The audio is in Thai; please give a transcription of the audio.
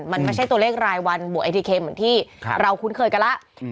มันไม่ใช่ตัวเลขรายวันบวกไอทีเคเหมือนที่เราคุ้นเคยกันแล้ว